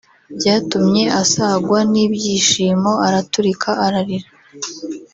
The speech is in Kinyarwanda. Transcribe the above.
byatumye asagwa n’ibyishimo araturika ararira